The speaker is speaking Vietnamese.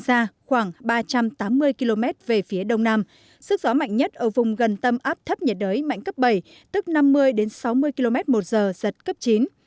ra khoảng ba trăm tám mươi km về phía đông nam sức gió mạnh nhất ở vùng gần tâm áp thấp nhiệt đới mạnh cấp bảy tức năm mươi đến sáu mươi km một giờ giật cấp chín